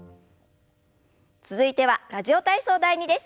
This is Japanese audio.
続いては「ラジオ体操第２」です。